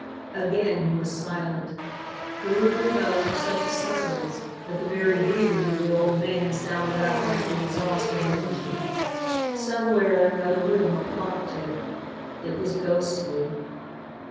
Again he was silent. The room fell into such a silence that the very breathing of the old man sounded out like the exhaust of an engine. Somewhere in another room a clock ticked. It was ghostly.